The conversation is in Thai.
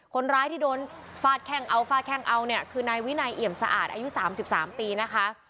คนร้ายที่โดนฟาดแข้งเอาฟาดแข้งเอาเนี่ยคือนายวินัยเอี่ยมสะอาดอายุ๓๓ปีนะคะ